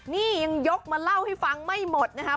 นี่ยังยกมาเล่าให้ฟังไม่หมดนะครับ